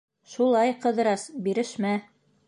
— Шулай, Ҡыҙырас, бирешмә!